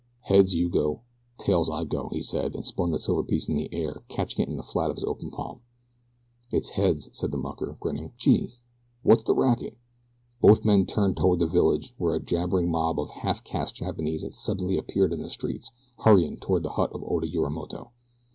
"Heads, you go; tails, I go," he said and spun the silver piece in the air, catching it in the flat of his open palm. "It's heads," said the mucker, grinning. "Gee! Wot's de racket?" Both men turned toward the village, where a jabbering mob of half caste Japanese had suddenly appeared in the streets, hurrying toward the hut of Oda Yorimoto.